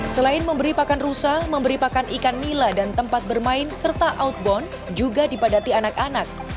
selain memberi pakan rusa memberi pakan ikan mila dan tempat bermain serta outbound juga dipadati anak anak